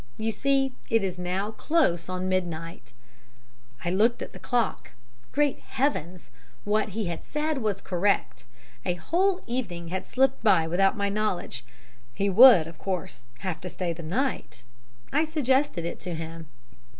You see it is now close on midnight." I looked at the clock. Great heavens! What he said was correct. A whole evening had slipped by without my knowledge. He would, of course, have to stay the night. I suggested it to him.